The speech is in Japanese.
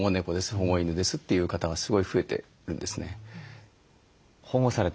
「保護犬です」という方がすごい増えてるんですね。